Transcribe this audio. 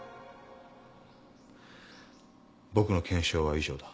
僕の検証は以上だ。